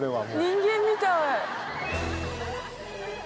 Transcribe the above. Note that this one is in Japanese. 人間みたい。